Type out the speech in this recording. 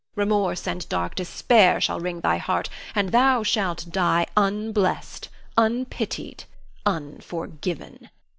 Remorse and dark despair shall wring thy heart, and thou shalt die unblessed, unpitied, unforgiven.